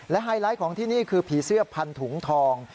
ไฮไลท์ของที่นี่คือผีเสื้อพันถุงทอง